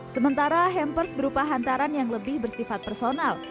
sementara hampers berupa hantaran yang lebih bersifat personal